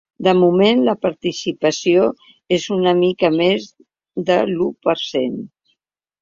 De moment, la participació és una mica més de l’u per cent.